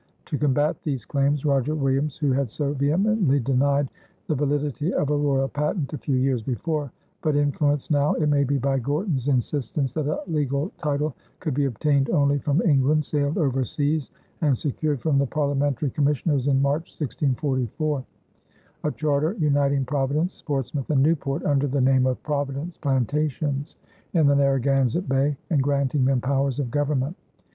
To combat these claims, Roger Williams, who had so vehemently denied the validity of a royal patent a few years before, but influenced now, it may be, by Gorton's insistence that a legal title could be obtained only from England, sailed overseas and secured from the parliamentary commissioners in March, 1644, a charter uniting Providence, Portsmouth, and Newport, under the name of Providence Plantations in the Narragansett Bay, and granting them powers of government.